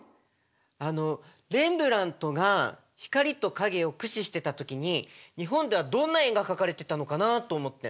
あのレンブラントが光と影を駆使してた時に日本ではどんな絵が描かれてたのかなと思って。